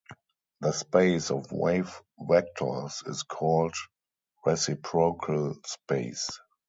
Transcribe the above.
The space of wave vectors is called reciprocal space.